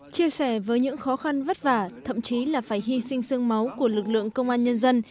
chia sẻ với những khó khăn vất vả thậm chí là phải hy sinh sương máu của lực lượng công an nhân dân